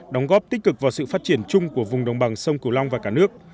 đóng góp tích cực vào sự phát triển chung của vùng đồng bằng sông cửu long và cả nước